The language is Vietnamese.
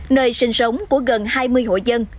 nơi sinh sống của gần hai mươi hội dân